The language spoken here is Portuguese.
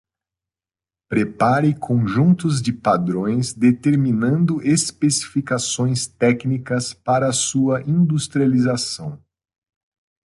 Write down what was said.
Prepare conjuntos de padrões determinando especificações técnicas para sua industrialização.